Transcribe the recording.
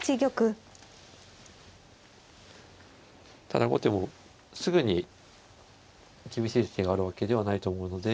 ただ後手もすぐに厳しい手があるわけではないと思うので。